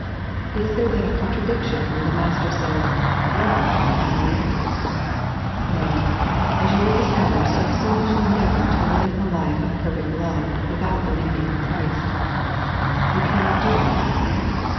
Is there then a contradiction when the Master says, Love and live t No, as you will discover so soon as you endeavour to live a life of perfect love without believing in Christ. You cannot do it.